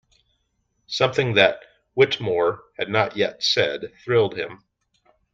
Something that Whittemore had not yet said thrilled him.